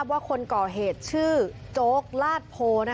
พวกมันต้องกินกันพี่